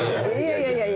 いやいやいや！